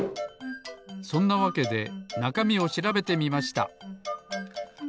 そんなわけでなかみをしらべてみました。